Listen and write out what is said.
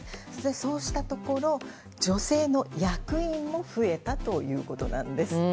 そうしたところ、女性の役員も増えたということなんです。